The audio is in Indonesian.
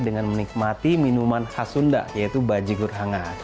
dengan menikmati minuman khas sunda yaitu baji gurhanga